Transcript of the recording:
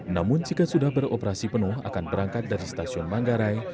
namun jika sudah beroperasi penuh akan berangkat dari stasiun manggarai